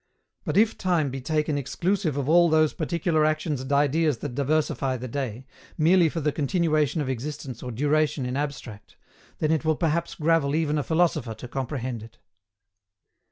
But if time be taken exclusive of all those particular actions and ideas that diversify the day, merely for the continuation of existence or duration in abstract, then it will perhaps gravel even a philosopher to comprehend it.